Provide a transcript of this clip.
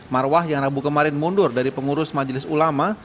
marwah yang rabu kemarin mundur dari pengurus majelis ulama